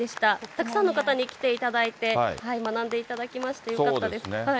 たくさんの方に来ていただいて、学んでいただきましてよかったです。